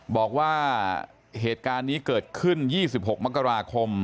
บอกว่าเหตุการณ์นี้เกิดขึ้น๒๖มกราคม